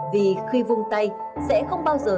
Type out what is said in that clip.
vì khi vung tay sẽ không bao giờ